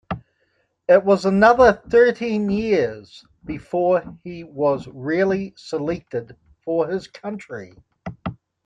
It was another thirteen years before he was really selected for his country.